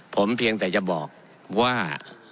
ผมเพียงแต่จะบอกว่า